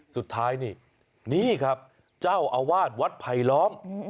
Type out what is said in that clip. สุดท้ายนี่นี่ครับเจ้าอาวาสวัดไผลล้อม